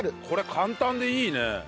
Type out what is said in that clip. これ簡単でいいね。